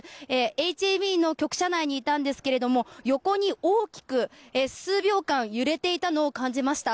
ＨＡＢの局舎内にいたんですが横に大きく数秒間揺れていたのを感じました。